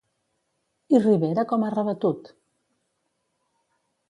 I Rivera com ha rebatut?